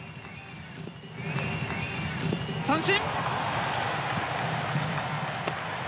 三振！